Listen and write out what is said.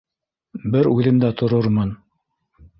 — Бер үҙем дә торормон